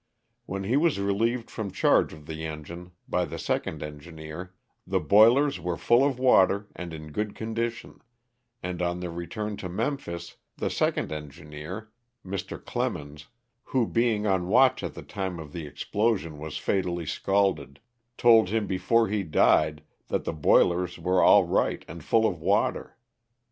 When he was relieved from charge of the engine by the second engineer the boilers were full of water and in good condition, and on their return to Memphis, the second engineer, Mr. Clemuians, who being on watch at the time of the explosion was fatally scalded, told him before he died that the boilers were all right and full of water.